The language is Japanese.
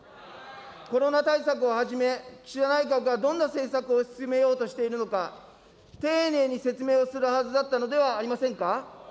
コロナ対策をはじめ、岸田内閣はどんな政策を進めようとしているのか、丁寧に説明をするはずだったのではありませんか。